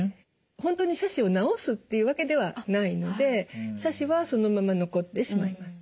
本当に斜視を治すっていうわけではないので斜視はそのまま残ってしまいます。